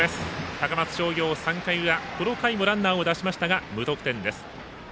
高松商業、３回裏この回もランナーを出しましたが無得点です。